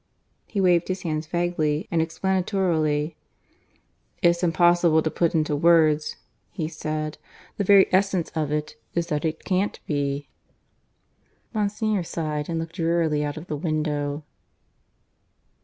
He waved his hands vaguely and explanatorily. "It's impossible to put it into words," he said. "The very essence of it is that it can't be." Monsignor sighed and looked drearily out of the window.